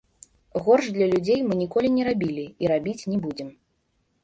Горш для людзей мы ніколі не рабілі і рабіць не будзем.